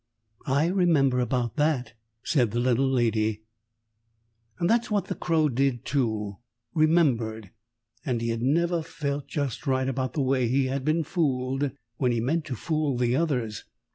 "I remember about that," said the Little Lady. That's what the Crow did, too remembered, and he had never felt just right about the way he had been fooled when he meant to fool the others.